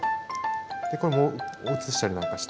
でこれを移したりなんかして。